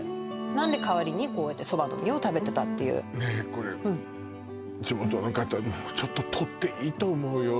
なんで代わりにこうやってそばの実を食べてたっていうねえこれ地元の方もうちょっと取っていいと思うよ